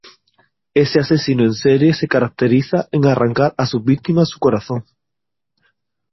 Ese asesino en serie se caracteriza en arrancar a sus víctimas su corazón.